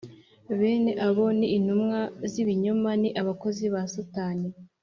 Bene abo ni intumwa z ibinyoma ni abakozi ba satani